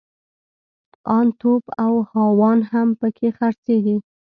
ان توپ او هاوان هم پکښې خرڅېږي.